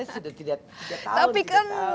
saya sudah tiga tahun